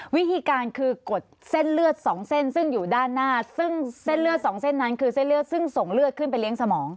วิธีการคือกดเส้นเลือดสองเส้นซึ่งอยู่ด้านหน้าซึ่งเส้นเลือดสองเส้นนั้นคือเส้นเลือดซึ่งส่งเลือดขึ้นไปเลี้ยงสมอง